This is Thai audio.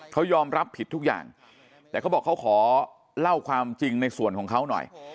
เขายอมรับผิดทุกอย่างแต่เขาบอกเขาขอเล่าความจริงในส่วนของเขาหน่อย